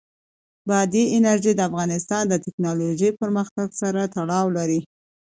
بادي انرژي د افغانستان د تکنالوژۍ پرمختګ سره تړاو لري.